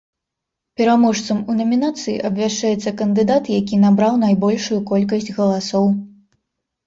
Пераможцам у намінацыі абвяшчаецца кандыдат, які набраў найбольшую колькасць галасоў.